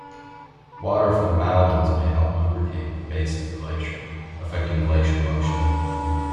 Water from moulins may help lubricate the base of the glacier, affecting glacial motion.